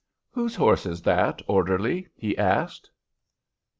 "Whose horse is that, orderly?" he asked.